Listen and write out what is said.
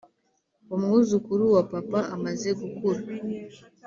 umwuzukuru wa papa amaze gukura